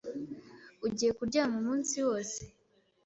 Ugiye kuryama umunsi wose?